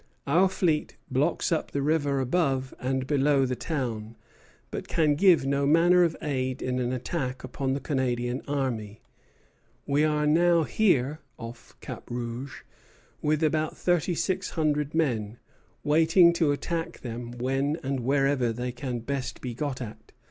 Our fleet blocks up the river above and below the town, but can give no manner of aid in an attack upon the Canadian army. We are now here [off Cap Rouge] with about thirty six hundred men, waiting to attack them when and wherever they can best be got at.